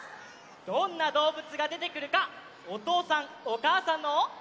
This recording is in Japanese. どんなどうぶつがでてくるかおとうさんおかあさんのはなをおしてみましょう！